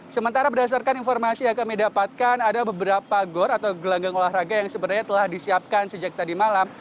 sementara berdasarkan informasi yang kami dapatkan ada beberapa gor atau gelanggang olahraga yang sebenarnya telah disiapkan sejak tadi malam